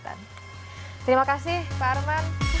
terima kasih pak armande